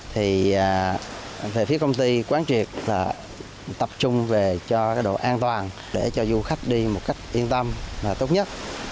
thì về phía công ty quán truyệt tập trung về cho độ an toàn để cho du khách đi một cách yên tâm tốt nhất